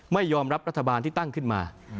ไม่ยอมรับรัฐบาลที่ตั้งขึ้นมา